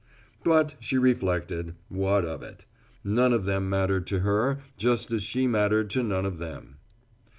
But, she reflected, what of it? None of them mattered to her, just as she mattered to none of them.